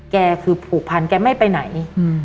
แกคือผูกพันแกไม่ไปไหน